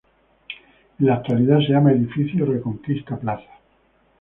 En la actualidad se llama Edificio Reconquista Plaza.